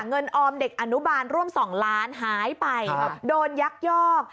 ออมเด็กอนุบาลร่วม๒ล้านหายไปโดนยักยอก